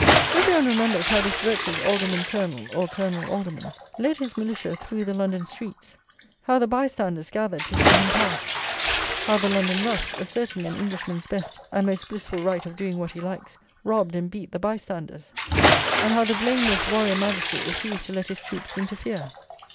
Every one remembers how this virtuous Alderman Colonel, or Colonel Alderman, led his militia through the London streets; how the bystanders gathered to see him pass; how the London roughs, asserting an Englishman's best and most blissful right of doing what he likes, robbed and beat the bystanders; and how the blameless warrior magistrate refused to let his troops interfere.